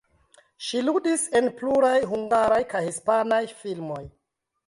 Ŝi ludis en pluraj hungaraj kaj hispanaj filmoj.